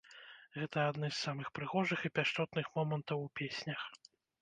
Гэта адны з самых прыгожых і пяшчотных момантаў у песнях.